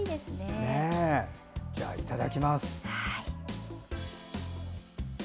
いただきます。